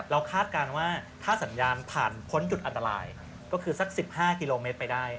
คาดการณ์ว่าถ้าสัญญาณผ่านพ้นจุดอันตรายก็คือสัก๑๕กิโลเมตรไปได้